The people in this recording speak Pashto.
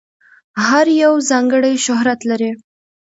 هر یو ځانګړی شهرت لري.